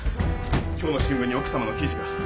今日の新聞に奥様の記事が。